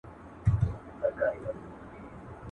که دي دا ورور دئ، په مخ کي دي گور دئ.